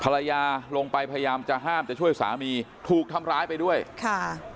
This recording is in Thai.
ภรรยาลงไปพยายามจะห้ามจะช่วยสามีถูกทำร้ายไปด้วยค่ะ